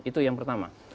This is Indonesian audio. itu yang pertama